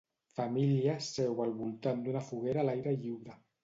Família seu al voltant d'una foguera a l'aire lliure.